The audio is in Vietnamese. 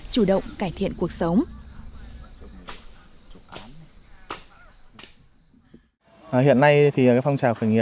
chủ động cải thiện cuộc sống